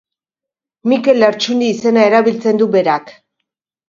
Mikel Lertxundi izena erabiltzen du berak.